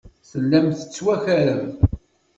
Tellam tettwakarem.